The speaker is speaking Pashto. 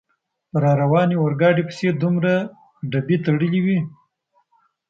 په را روانې اورګاډي پسې دومره ډبې تړلې وې.